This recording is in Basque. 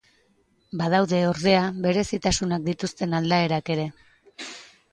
Badaude, ordea, berezitasunak dituzten aldaerak ere.